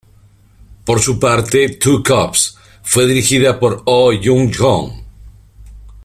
Por su parte, "Two Cops" fue dirigida por Oh Hyun-jong.